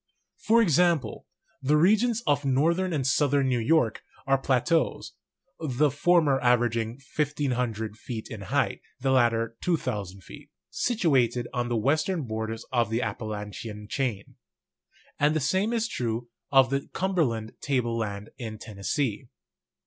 For example, the regions of northern and southern New York are pla teaus (the former averaging 1,500 feet in height, the lat ter 2,000 feet) situated on the western borders of the Appalachian chain; and the same is true of the Cumber land table land in Tennessee.